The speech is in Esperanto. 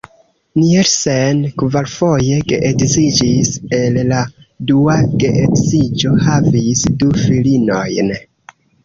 Nielsen kvarfoje geedziĝis, el la dua geedziĝo havis du filinojn.